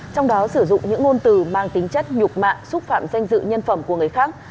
trong đó sử dụng những ngôn từ mang tính chất nhục mạ xúc phạm danh dự nhân phẩm của người khác